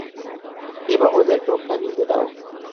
এবং ওদের টোপটা গিলতে দাও।